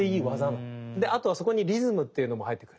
で後はそこにリズムっていうのも入ってくる。